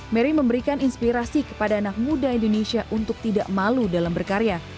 mary memberikan inspirasi kepada anak muda indonesia untuk tidak malu dalam berkarya